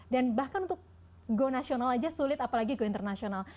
dan bahkan untuk go nasional aja sulit apalagi go internasional